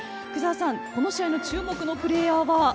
福澤さん、この試合の注目のプレーヤーは。